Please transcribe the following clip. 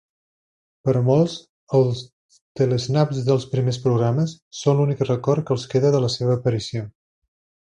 Per a molts, els tele-snaps dels primers programes són l'únic record que els queda de la seva aparició.